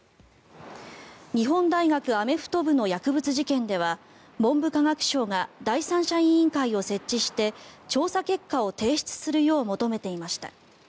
日本大学アメフト部の薬物事件では文部科学省が第三者委員会を設置して調査結果を提出するよう求めていました。